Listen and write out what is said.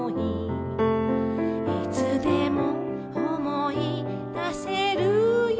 「いつでも思い出せるよ」